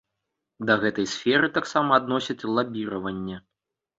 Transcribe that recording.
Да гэтай сферы таксама адносяць лабіраванне.